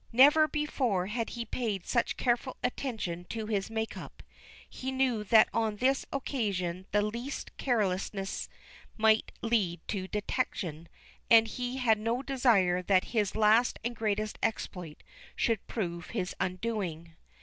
Never before had he paid such careful attention to his make up. He knew that on this occasion the least carelessness might lead to detection, and he had no desire that his last and greatest exploit should prove his undoing.